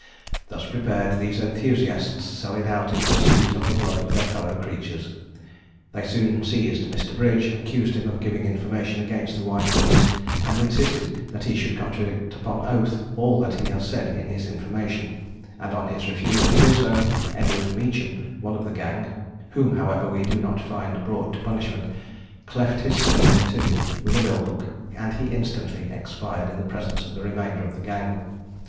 Thus prepared, these enthusiasts sallied out in pursuit of the blood of their fellow creatures. They soon seized Mr. Bridge, accused him of giving information against the White Boys, and insisted that he should contradict upon oath all that he had said in his information; and on his refusing to do so, Edward Mecham, one of the gang (whom, however, we do not find brought to punishment), cleft his skull in two with a bill hook, and he instantly expired in the presence of the remainder of the gang.